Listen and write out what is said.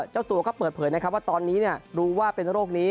เจ้าตัวก็เปิดเผยนะครับว่าตอนนี้รู้ว่าเป็นโรคนี้